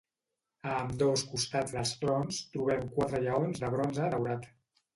A ambdós costats dels trons trobem quatre lleons de bronze daurat.